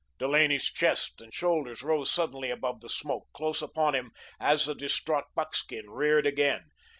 Delaney's chest and shoulders rose suddenly above the smoke close upon him as the distraught buckskin reared again.